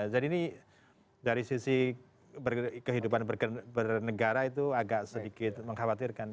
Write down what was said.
jadi ini dari sisi kehidupan bernegara itu agak sedikit mengkhawatirkan